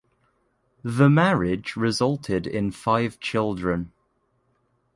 The marriage resulted in five children.